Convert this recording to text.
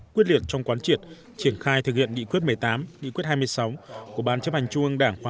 quyết liệt trong quán triệt triển khai thực hiện nghị quyết một mươi tám nghị quyết hai mươi sáu của ban chấp hành trung ương đảng khóa một mươi